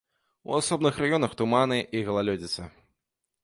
У асобных раёнах туманы і галалёдзіца.